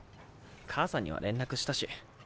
母さんには連絡したし。